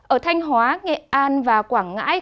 ở thanh hóa nghệ an và quảng ngãi